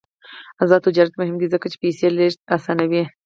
آزاد تجارت مهم دی ځکه چې پیسې لیږد اسانوي.